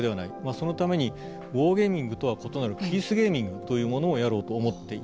そのためにウォーゲーミングとは異なるピークゲーミングというものをやろうと。